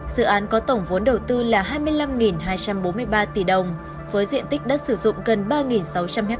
dự án có tổng vốn đầu tư là hai mươi năm hai trăm bốn mươi ba tỷ đồng với diện tích đất sử dụng gần ba sáu trăm linh ha